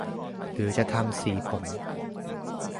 หรือจะทำสีผม